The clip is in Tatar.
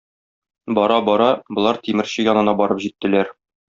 Бара-бара, болар тимерче янына барып җиттеләр.